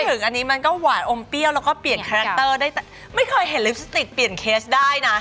ถึงอันนี้มันก็หวานอมเปรี้ยวแล้วก็เปลี่ยนคาแรคเตอร์ได้แต่ไม่เคยเห็นลิปสติกเปลี่ยนเคสได้นะ